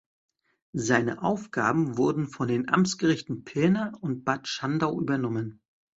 Seine Aufgaben wurden von den Amtsgerichten Pirna und Bad Schandau übernommen.